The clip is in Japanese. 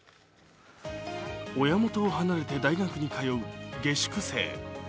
親元を離れて大学に通う下宿生。